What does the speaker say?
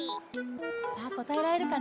さあこたえられるかな？